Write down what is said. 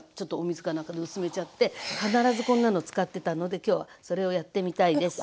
なんかで薄めちゃって必ずこんなの使ってたので今日はそれをやってみたいです。